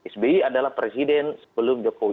sby adalah presiden sebelum jokowi